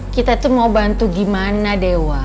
kita tuh mau bantu gimana dewa